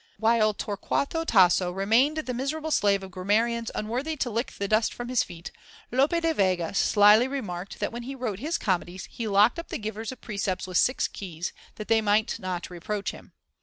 While Torquato Tasso remained the miserable slave of grammarians unworthy to lick the dust from his feet, Lope de Vega slyly remarked that when he wrote his comedies, he locked up the givers of precepts with six keys, that they might not reproach him.